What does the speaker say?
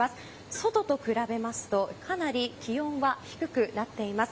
外と比べますとかなり気温は低くなっています。